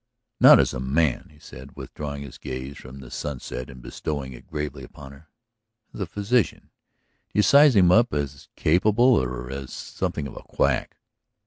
"Not as a man," he said, withdrawing his gaze from the sunset and bestowing it gravely upon her. "As a physician. Do you size him up as capable or as something of a quack?"